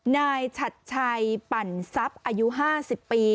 นายชัดชัยปั่นซับอายุ๕๐ปี